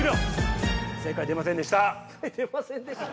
正解出ませんでした。